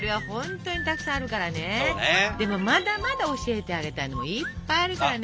でもまだまだ教えてあげたいのいっぱいあるからね。